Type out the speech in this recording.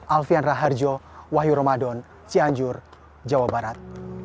alfian raharjo wahyu ramadan cianjur jawa barat